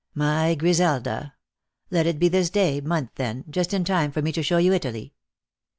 " My Griselda! Let it be this day month, then — just in time tor me to show you Italy.